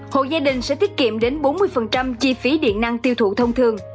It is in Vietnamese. hộ gia đình sẽ tiết kiệm đến bốn mươi chi phí điện năng tiêu thụ thông thường